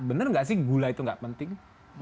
benar nggak sih gula itu nggak penting